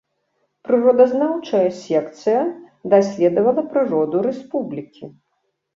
Прыродазнаўчая секцыя даследавала прыроду рэспублікі.